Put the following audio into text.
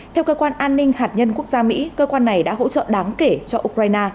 theo cơ quan an ninh hạt nhân quốc gia mỹ cơ quan này đã hỗ trợ đáng kể cho ukraine